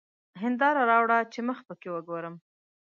هېنداره راوړه چي مخ پکښې وګورم!